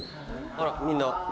あらみんな。